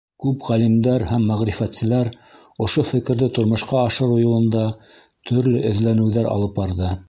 Күп ғалимдар һәм мәғрифәтселәр ошо фекерҙе тормошҡа ашырыу юлында төрлө эҙләнеүҙәр алып барҙы.